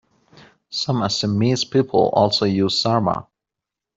Some Assamese people also use Sarmah.